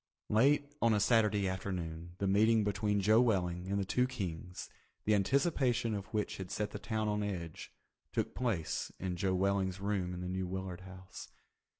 Late on a Saturday afternoon the meeting between Joe Welling and the two Kings, the anticipation of which had set the town on edge, took place in Joe Welling's room in the New Willard House.